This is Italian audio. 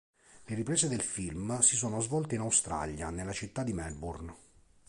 Le riprese del film si sono svolte in Australia, nella città di Melbourne.